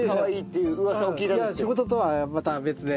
いや仕事とはまた別で。